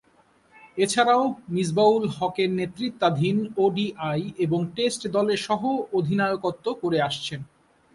এছাড়াও, মিসবাহ-উল-হকের নেতৃত্বাধীন ওডিআই এবং টেস্ট দলের সহ-অধিনায়কত্ব করে আসছেন।